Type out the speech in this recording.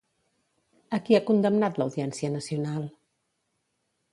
A qui ha condemnat l'Audiència Nacional?